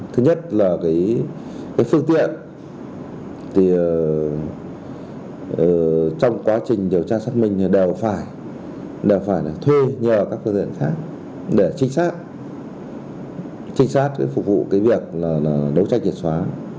thứ nhất là phương tiện trong quá trình điều tra xác minh đều phải thuê nhờ các phương tiện khác để trinh sát trinh sát phục vụ việc đấu tranh hiệt xóa